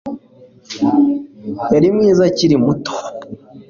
Yari mwiza akiri muto